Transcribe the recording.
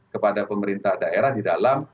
kepada pemerintah daerah di dalam